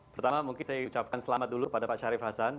pertama mungkin saya ucapkan selamat dulu pada pak syarif hasan